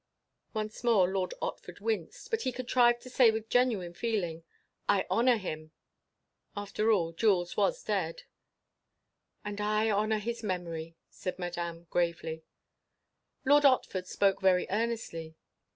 Once more Lord Otford winced; but he contrived to say with genuine feeling, "I honour him." After all, Jules was dead. "And I honour his memory," said Madame, gravely. Lord Otford spoke very earnestly.